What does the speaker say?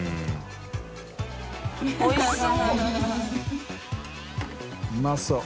おいしそう。